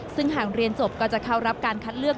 ซึ่งหากเรียนจบก็จะเข้ารับการคัดเลือก